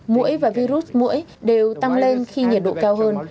mũi và virus mũi đều tăng lên khi nhiệt độ cao hơn